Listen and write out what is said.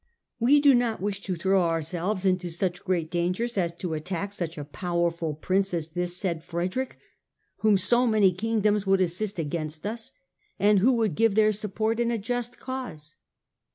We do not wish to throw ourselves into such great dangers as to attack such a powerful Prince as this said Frederick, whom so many kingdoms would assist against us, and who would give their support in a just cause.